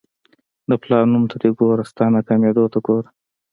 د پلار نوم ته دې ګوره ستا ناکامېدو ته ګوره.